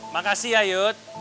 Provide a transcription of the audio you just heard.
makasih ya yud